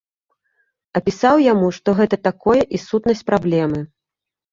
Апісаў яму, што гэта такое і сутнасць праблемы.